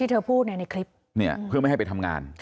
ที่เธอพูดในคลิปเพื่อไม่ให้ไปทำงาน